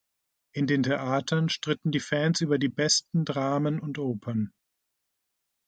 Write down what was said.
In den Theatern stritten die Fans über die besten Dramen und Opern.